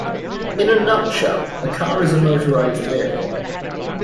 In a nutshell, a car is a motorized vehicle.